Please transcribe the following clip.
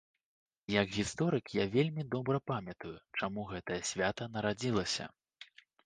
Як гісторык я вельмі добра памятаю, чаму гэтае свята нарадзілася.